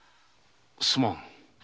すまん。